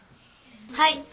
はい。